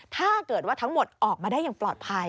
ถ้าเกิดว่าทั้งหมดออกมาได้อย่างปลอดภัย